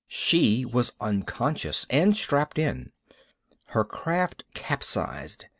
She was unconscious, and strapped in! Her craft capsized.